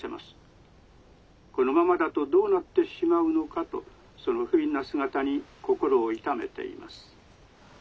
このままだとどうなってしまうのかとそのふびんな姿に心を痛めています』。